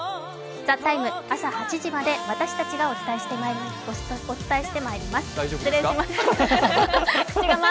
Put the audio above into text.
「ＴＨＥＴＩＭＥ，」、朝８時まで私たちがお伝えしてまいります。